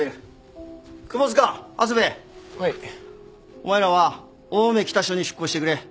お前らは青梅北署に出向してくれ。